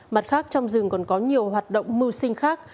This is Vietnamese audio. mặt khác trong rừng còn có nhiều hoạt động mưu sinh khác